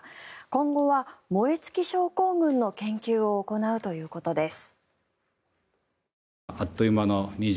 今後は燃え尽き症候群の研究を行うということです。